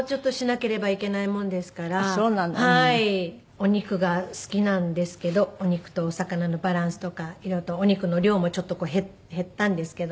お肉が好きなんですけどお肉とお魚のバランスとかいろいろとお肉の量もちょっと減ったんですけどね。